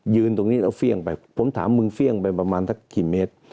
ตรงนี้แล้วเฟี่ยงไปผมถามมึงเฟี่ยงไปประมาณสักกี่เมตร